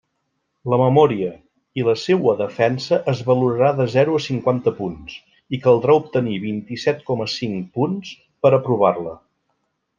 La memòria i la seua defensa es valorarà de zero a cinquanta punts, i caldrà obtenir vint-i-set coma cinc punts per a aprovar-la.